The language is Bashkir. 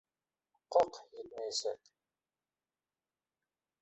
Как етмәйәсәк?!